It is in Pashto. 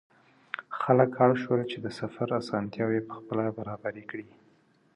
خلک اړ شول چې د سفر اسانتیاوې پخپله برابرې کړي.